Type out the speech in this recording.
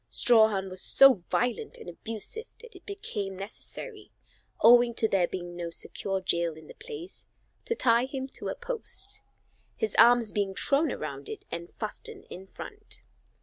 Strawhan was so violent and abusive that it became necessary, owing to there being no secure jail in the place, to tie him to a post, his arms being thrown around it and fastened in front.